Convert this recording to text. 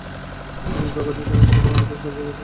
তিনি বাঘা যতীনের সহায়তায় বন্যার্তদের সাহায্যে এগিয়ে যান।